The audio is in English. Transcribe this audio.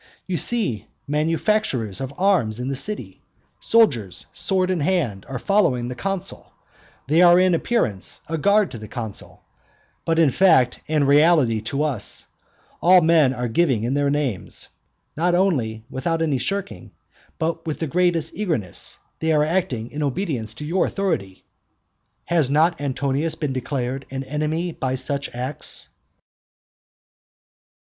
You see manufactories of arms in the city; soldiers, sword in hand, are following the consul; they are in appearance a guard to the consul, but in fact and reality to us; all men are giving in their names, not only without any shirking, but with the greatest eagerness; they are acting in obedience to your authority. Has not Antonius been declared an enemy by such acts?